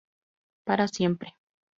Para siempre.